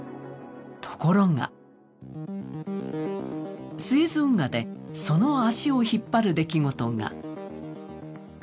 ところがスエズ運河でその足を引っ張る出来事が。